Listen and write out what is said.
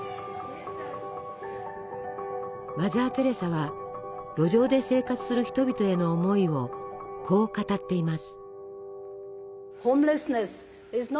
マザー・テレサは路上で生活する人々への思いをこう語っています。